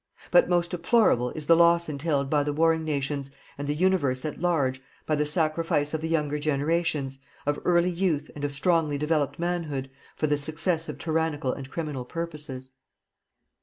But most deplorable is the loss entailed by the warring nations, and the universe at large, by the sacrifice of the younger generations, of early youth and of strongly developed manhood, for the success of tyrannical and criminal purposes.